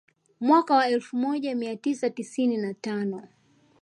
Mwaka wa elfu moja mia tisa tisini na tano